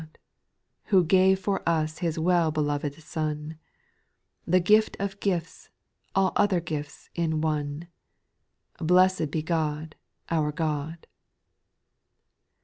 JD Who gave for us His well beloved Son, The gift of gifts, all other gifts in one. Blessed be God, our God